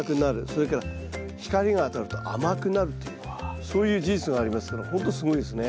それから光が当たると甘くなるというそういう事実がありますからほんとすごいですね。